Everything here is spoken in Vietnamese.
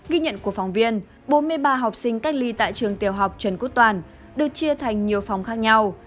ghi nhận của phóng viên bốn mươi ba học sinh cách ly tại trường tiểu học trần quốc toàn được chia thành nhiều phòng khác nhau